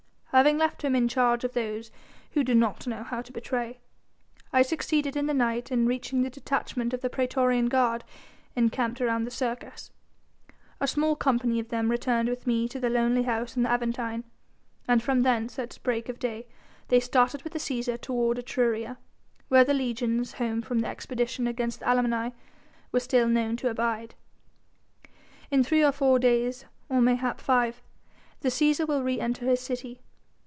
Having left him in charge of those who do not know how to betray, I succeeded in the night in reaching the detachment of the praetorian guard encamped around the Circus: a small company of them returned with me to the lonely house on the Aventine, and from thence at break of day they started with the Cæsar toward Etruria, where the legions home from the expedition against the Allemanni were still known to abide. In three or four days, or mayhap five, the Cæsar will re enter his city.